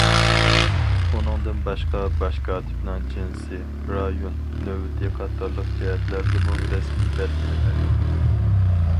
ئۇنىڭدىن باشقا، باش كاتىپنىڭ جىنسى، رايون نۆۋىتى قاتارلىق جەھەتلەردىمۇ رەسمىي بەلگىلىمە يوق.